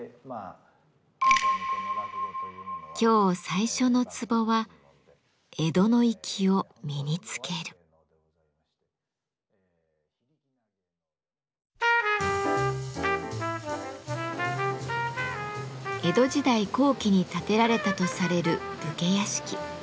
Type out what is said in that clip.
今日最初のツボは江戸時代後期に建てられたとされる武家屋敷。